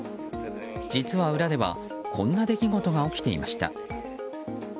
実は裏ではこんな出来事が起きていました。